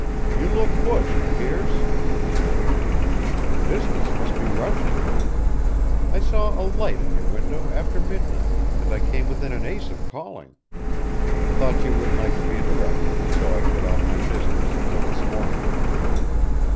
"You look bushed, Pearce," he began. "Business must be rushing. I saw a light in your window after midnight, and I came within an ace of calling. Thought you wouldn't like to be interrupted, so I put off my business until this morning."